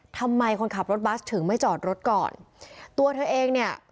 ทำไมคนขับรถบัสถึงไม่จอดรถก่อนตัวเธอเองเนี่ย